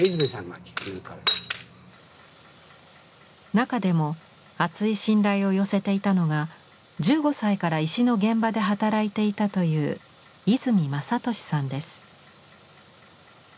中でも厚い信頼を寄せていたのが１５歳から石の現場で働いていたという和泉正敏さんです。